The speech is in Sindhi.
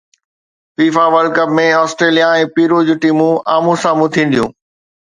FIFA world cup ۾ Australia ۽ Peru جون ٽيمون آمهون سامهون ٿينديون